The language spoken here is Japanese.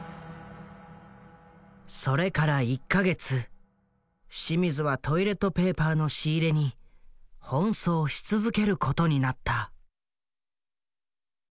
それから１か月清水はトイレットペーパーの仕入れに奔走し続けることになった。